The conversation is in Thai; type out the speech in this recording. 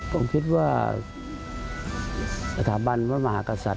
ผมคิดว่า